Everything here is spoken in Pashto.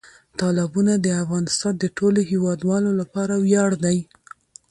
تالابونه د افغانستان د ټولو هیوادوالو لپاره ویاړ دی.